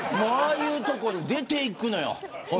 ああいうところに出ていくのよ。